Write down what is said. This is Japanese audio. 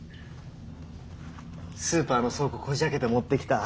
スーパーの倉庫こじあけて持ってきた。